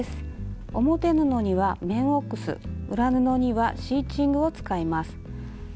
表布には綿オックス裏布にはシーチングを使います。